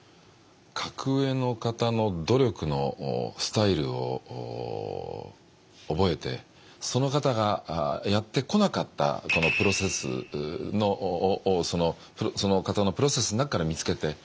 格上の方の努力のスタイルを覚えてその方がやってこなかったプロセスをその方のプロセスの中から見つけて。